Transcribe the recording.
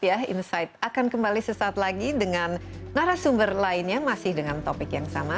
insight akan kembali sesaat lagi dengan narasumber lainnya masih dengan topik yang sama